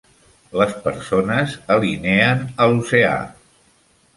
Les persones alineen a l'oceà.